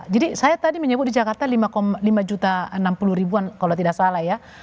jadi saya tadi menyebut di jakarta lima juta enam puluh ribuan kalau tidak salah ya